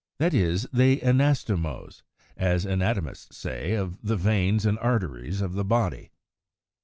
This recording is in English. That is, they anastomose, as anatomists say of the veins and arteries of the body.